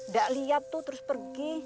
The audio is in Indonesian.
dak liat tuh terus pergi